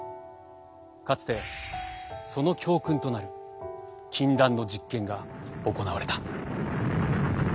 かつてその教訓となる禁断の実験が行われた。